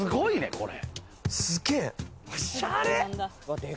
これ。